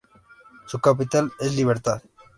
Su capital es Libertad.